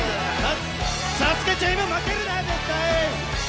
「ＳＡＳＵＫＥ」チーム、負けるな、絶対！